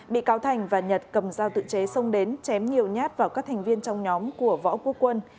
bị cáo thành và nhật cầm dao tự chế sông đến chém nhiều nhát vào các thành viên trong nhóm của võ quốc quân